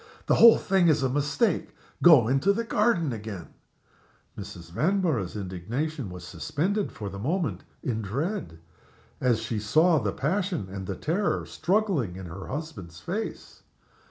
"The whole thing is a mistake. Go into the garden again!" Mrs. Vanborough's indignation was suspended for the moment in dread, as she saw the passion and the terror struggling in her husband's face.